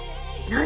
何？